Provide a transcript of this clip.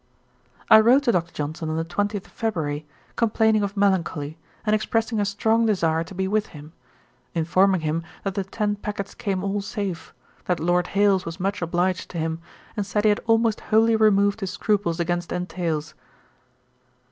I wrote to Dr. Johnson on the 20th of February, complaining of melancholy, and expressing a strong desire to be with him; informing him that the ten packets came all safe; that Lord Hailes was much obliged to him, and said he had almost wholly removed his scruples against entails.